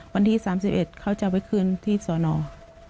วันที่๓๑เขาจะไปคืนที่สอนอ